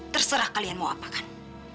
terserah kalian mau apakan